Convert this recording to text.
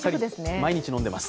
毎日飲んでます。